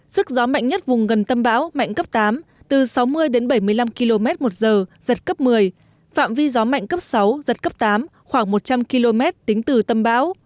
sức gió mạnh nhất vùng gần tâm bão mạnh cấp tám từ sáu mươi đến bảy mươi năm km một giờ giật cấp một mươi phạm vi gió mạnh cấp sáu giật cấp tám khoảng một trăm linh km tính từ tâm bão